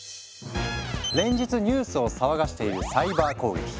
連日ニュースを騒がしているサイバー攻撃。